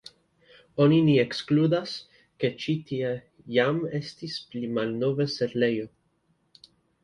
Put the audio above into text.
Oni ne ekskludas, ke ĉi tie jam estis pli malnova setlejo.